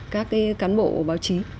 các cái cán bộ báo chí